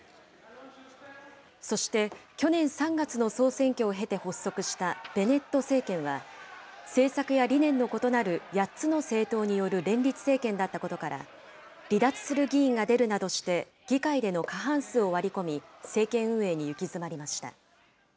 そして去年３月の総選挙を経て発足したベネット政権は、政策や理念の異なる８つの政党による連立政権だったことから、離脱する議員が出るなどして議会での過半数を割り込み、政権運営に行き詰まりました。